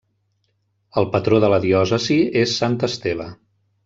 El patró de la diòcesi és sant Esteve.